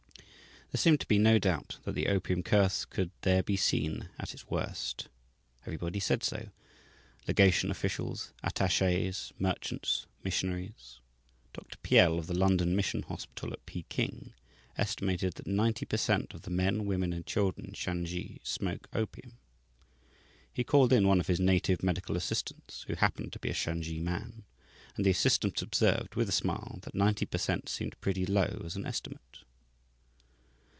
There seemed to be no doubt that the opium curse could there be seen at its worst. Everybody said so legation officials, attachés, merchants, missionaries. Dr. Piell, of the London Mission hospital at Peking, estimated that ninety per cent. of the men, women, and children in Shansi smoke opium. He called in one of his native medical assistants, who happened to be a Shansi man, and the assistant observed, with a smile, that ninety per cent. seemed pretty low as an estimate.